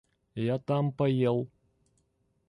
Я там поел.